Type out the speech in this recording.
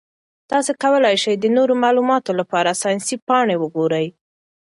تاسو کولی شئ د نورو معلوماتو لپاره ساینسي پاڼې وګورئ.